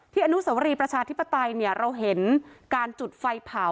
อนุสวรีประชาธิปไตยเราเห็นการจุดไฟเผา